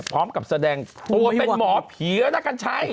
พร้อมกับแสดงตัวเป็นหมอเพียรกันชัย